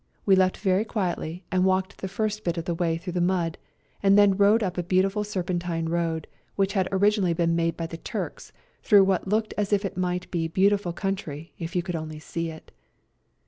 We left very quietly, and walked the first bit of the way through the mud, and then rode up a beautiful serpentine road, which had originally been made by the Turks, through what looked as if it might be beautiful country if you could only see it.